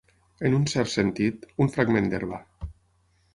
En un cert sentit, un fragment d'herba.